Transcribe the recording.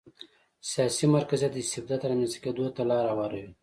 سیاسي مرکزیت د استبداد رامنځته کېدو ته لار هواروي.